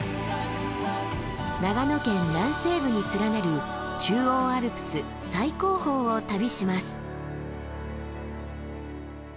長野県南西部に連なる中央アルプス最高峰を旅します。